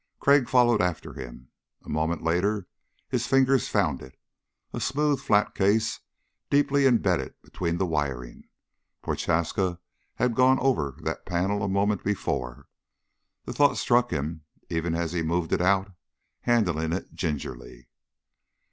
Crag followed after him. A moment later his fingers found it, a smooth flat case deeply imbedded between the wiring. Prochaska had gone over that panel a moment before! The thought struck him even as he moved it out, handling it gingerly.